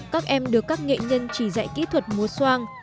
các em được các nghệ nhân chỉ dạy kỹ thuật mối soan